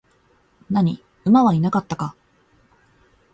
何、馬はいなかったか?